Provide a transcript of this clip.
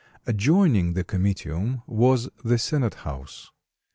Adjoining the comitium was the senate house.